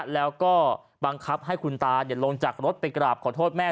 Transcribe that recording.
แล้วก็บังคับให้คุณตาลงจากรถไปกราบขอโทษแม่